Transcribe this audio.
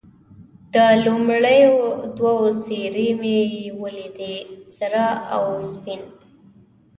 د لومړیو دوو څېرې مې یې ولیدې، سره او سپین.